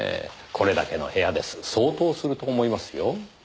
これだけの部屋です相当すると思いますよ。